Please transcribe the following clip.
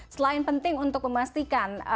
selain penting untuk memastikan